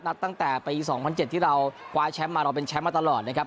นัดตั้งแต่ปีสองพันเจ็ดที่เราคว้ายแชมป์มาเราเป็นแชมป์มาตลอดนะครับ